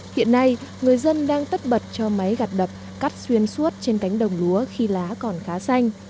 hiện nay người dân đang tất bật cho máy gặt đập cắt xuyên suốt trên cánh đồng lúa khi lá còn khá xanh